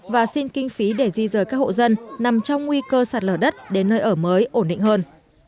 và xin kinh phí để di rời các hộ dân nằm trong nguy cơ sạt lở đất đến nơi ở mới ổn định hơn